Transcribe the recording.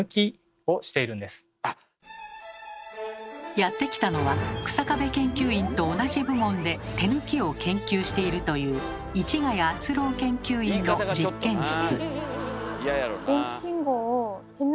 やって来たのは日下部研究員と同じ部門で「手抜き」を研究しているという市ヶ谷敦郎研究員の実験室。